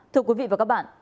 thưa quý vị và các bạn